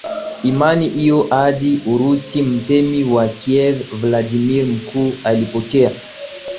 imani hiyo hadi Urusi mtemi wa Kiev Vladimir Mkuu alipokea